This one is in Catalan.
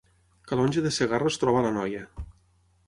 Calonge de Segarra es troba a l’Anoia